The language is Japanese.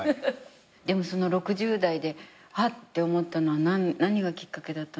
でも６０代でハッて思ったのは何がきっかけだったんだろう。